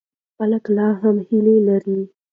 خلک لا هم هیله لري.